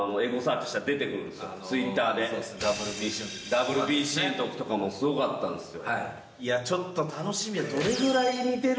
ＷＢＣの時とかもすごかったんですよ。